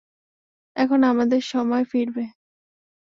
এখন আমাদের সময় ফিরবে।